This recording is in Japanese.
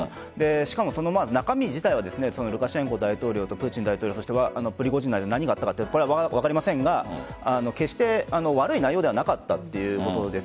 しかも、その中身自体はルカシェンコ大統領とプーチン大統領プリゴジンの間で何があったか分かりませんが決して悪い内容ではなかったということです。